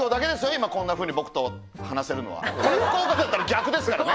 今こんなふうに僕と話せるのは福岡だったら逆ですからね